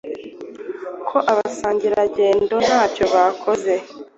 ko abasangirangendo ntacyo bakoze